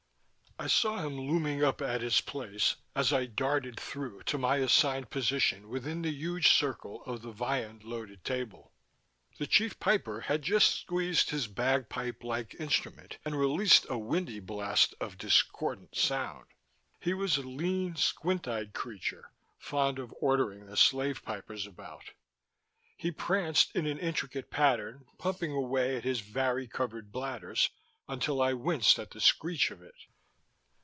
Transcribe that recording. I saw him looming up at his place, as I darted through to my assigned position within the huge circle of the viand loaded table. The Chief Piper had just squeezed his bagpipe like instrument and released a windy blast of discordant sound. He was a lean, squint eyed creature, fond of ordering the slave pipers about. He pranced in an intricate pattern, pumping away at his vari colored bladders, until I winced at the screech of it.